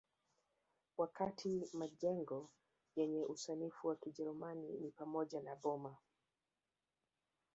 Wakati majengo yenye usanifu wa Kijerumani ni pamoja na boma